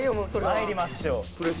参りましょう。